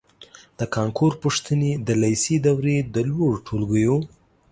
د کانکور پوښتنې د لېسې دورې د لوړو ټولګیو